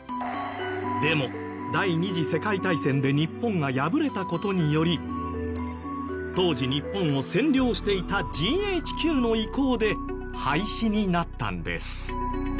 でも第二次世界大戦で日本が敗れた事により当時日本を占領していたＧＨＱの意向で廃止になったんです。